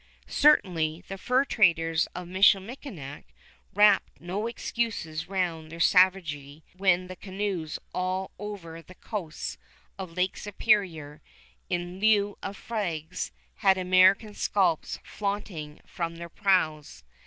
Certainly, the fur traders of Michilimackinac wrapped no excuses round their savagery when the canoes all over the coasts of Lake Superior, in lieu of flags, had American scalps flaunting from their prows.